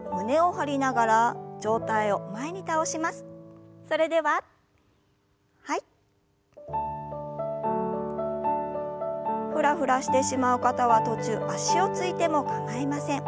ふらふらしてしまう方は途中足をついても構いません。